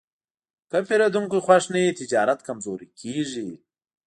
که پیرودونکی خوښ نه وي، تجارت کمزوری کېږي.